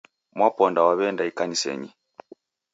Mwaponda waw'eenda ikanisenyi.